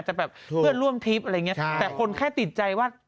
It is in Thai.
แบบเพื่อนร่วมทริปอะไรอย่างเงี้ใช่แต่คนแค่ติดใจว่า